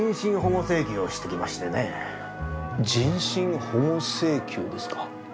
人身保護請求ですか。